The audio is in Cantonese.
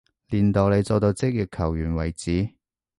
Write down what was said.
練到你做到職業球員為止